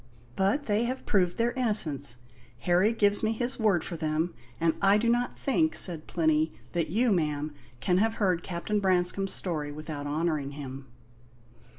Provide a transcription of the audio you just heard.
"But they have proved their innocence; Harry gives me his word for them; and I do not think," said Plinny, "that you, ma'am, can have heard Captain Branscome's story without honouring him."